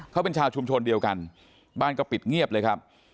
เขาเป็นชาวชุมชนเดียวกันบ้านก็ปิดเงียบเลยครับ